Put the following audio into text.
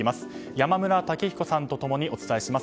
山村武彦さんと一緒にお伝えします。